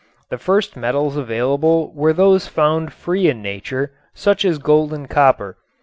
The first metals available were those found free in nature such as gold and copper.